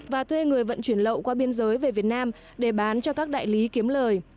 và thuê người vận chuyển lậu qua biên giới về việt nam để bán cho các đại lý kiếm lời